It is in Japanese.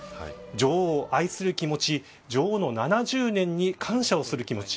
女王を愛する気持ち女王の７０年に感謝をする気持ち